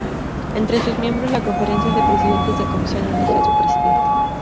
Entre sus miembros la Conferencia de Presidentes de Comisión elige a su presidente.